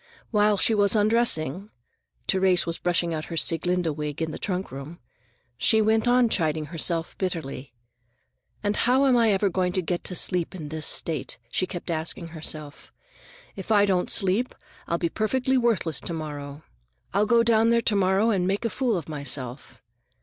While she was undressing—Therese was brushing out her Sieglinde wig in the trunk room—she went on chiding herself bitterly. "And how am I ever going to get to sleep in this state?" she kept asking herself. "If I don't sleep, I'll be perfectly worthless to morrow. I'll go down there to morrow and make a fool of myself.